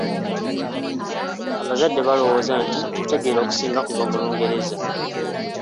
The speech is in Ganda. Abazadde balowooza nti okutegeera okusinga kuva mu Lungereza.